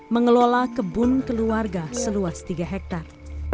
mengelola kebun keluarga seluas tiga hektare